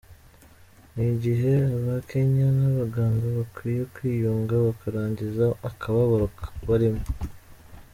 Ni igihe abakenya n'abaganga bakwiye kwiyunga bakarangiza akababaro barimwo.